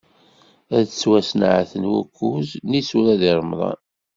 Ad d-ttwasneɛten ukkuẓ n yisura di Remḍan.